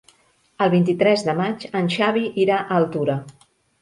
El vint-i-tres de maig en Xavi irà a Altura.